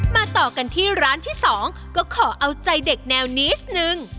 ต่อกันที่ร้านที่๒ก็ขอเอาใจเด็กแนวนี้สนึง